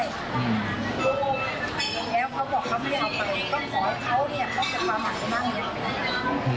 แล้วเขาบอกเขาไม่ได้เอาไปต้องขอให้เขามากกว่ามากนี้